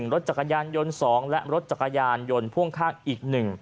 รถจักรยานยนต์๒และรถจักรยานยนต์พ่วงข้างอีก๑